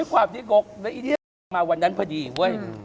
ด้วยความที่กกแล้วอี๋มาวันนั้นพอดีเว้ย